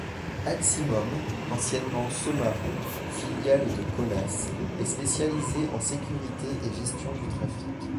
Aximum, anciennement Somaro, filiale de Colas, est spécialisée en sécurité et gestion du trafic.